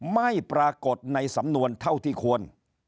ไม่ปรากฏในสำนวนเท่าที่ควร